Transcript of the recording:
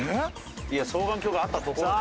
いや双眼鏡があったところで。